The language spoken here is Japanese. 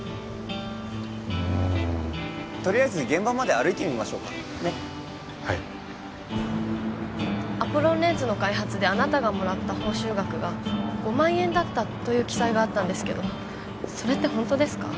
うんとりあえず現場まで歩いてみましょうかはいアポロンレンズの開発であなたがもらった報酬額が５万円だったという記載がありましたが本当ですか？